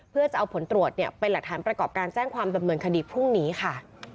เพื่อจะเอาผลตรวจเป็นหลักฐานประกอบการแจ้งความดำเนินคดีพรุ่งนี้ค่ะ